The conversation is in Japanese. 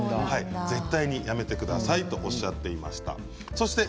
絶対にやめてくださいとおっしゃっていました。